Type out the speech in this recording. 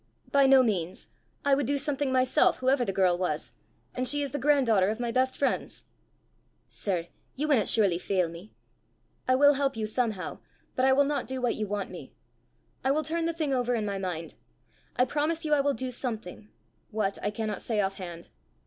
"By no means. I would do something myself whoever the girl was and she is the granddaughter of my best friends." "Sir, ye winna surely fail me!" "I will help you somehow, but I will not do what you want me. I will turn the thing over in my mind. I promise you I will do something what, I cannot say offhand.